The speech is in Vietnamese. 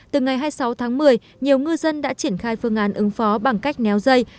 từ ngày hai mươi sáu tháng một mươi nhiều ngư dân đã triển khai phương án ứng phó bằng cách néo dây